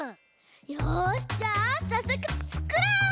よしじゃあさっそくつくろう！